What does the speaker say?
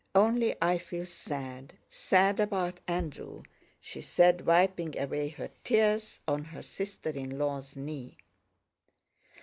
only I feel sad... sad about Andrew," she said, wiping away her tears on her sister in law's knee.